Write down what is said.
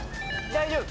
大丈夫！